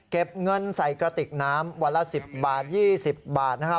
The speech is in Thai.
เก็บเงินใส่กระติกน้ำวันละ๑๐บาท๒๐บาทนะครับ